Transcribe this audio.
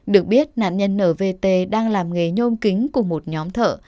được biết nạn nhân nvt đang làm nghề nhôm kính cùng một nhóm thợ